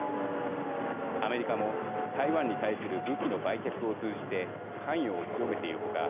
アメリカも台湾に対する武器の売却を通じて関与を強めている他